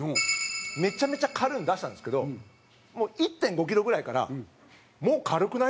めちゃめちゃ軽いの出したんですけど１．５ｋｇぐらいからもう軽くない？